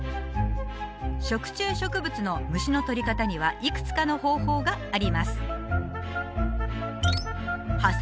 食虫植物の虫のとり方にはいくつかの方法があります